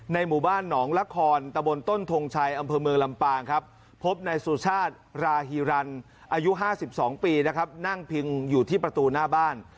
หมู่บ้านหนองละครตะบนต้นทงชัยอำเภอเมืองลำปางครับพบในสุชาติราฮีรันอายุ๕๒ปีนะครับนั่งพิงอยู่ที่ประตูหน้าบ้าน